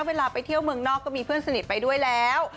เวลาไปเที่ยวเมืองนอกก็มีเพื่อนสนิทไปด้วยแล้ว